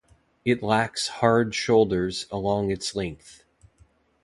It lacks hard shoulders along its length.